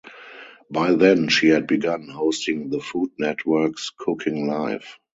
By then she had begun hosting the Food Network's "Cooking Live".